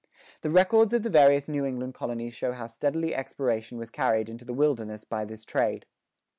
The records of the various New England colonies show how steadily exploration was carried into the wilderness by this trade.